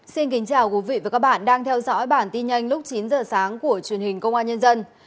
xin kính chào quý vị và các bạn đang theo dõi bản tin nhanh lúc chín giờ sáng của truyền hình công an nhân dân